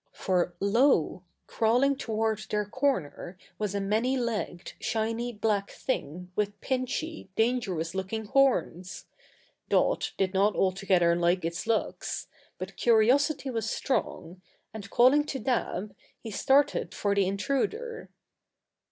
For lo! crawling toward their corner was a many legged, shiny black thing with pinch y, dangerous looking horns! Dot did not altogether like its looks; but curiosity was strong, and, calling to Dab, he started for the intruder.